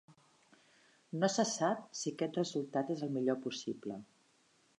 No se sap si aquest resultat és el millor possible.